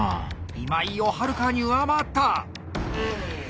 今井をはるかに上回った！